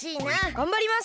がんばります！